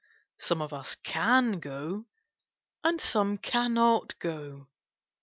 Some of us can go, and some can not go.